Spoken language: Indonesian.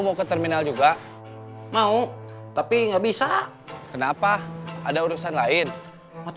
saya juga udah gak ada uang